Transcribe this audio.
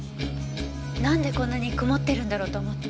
なんでこんなに曇ってるんだろうと思って。